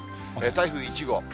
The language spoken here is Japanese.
台風１号。